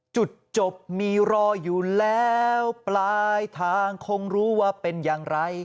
จุดจบมีรออยู่แล้วปลายทางคงรู้ว่าเป็นอย่างไร